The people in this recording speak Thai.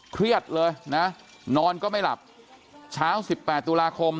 เครียดเลยนะนอนก็ไม่หลับเช้า๑๘ตุลาคม